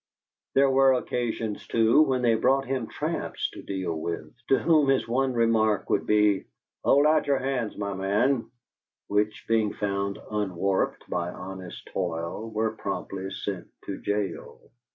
There were occasions, too, when they brought him tramps to deal with, to whom his one remark would be, "Hold out your hands, my man," which, being found unwarped by honest toil, were promptly sent to gaol.